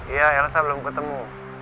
iya elsa belum ketemu